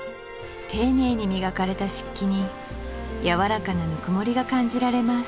丁寧に磨かれた漆器にやわらかなぬくもりが感じられます